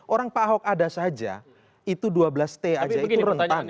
orang pak ahok ada saja itu dua belas t aja itu rentan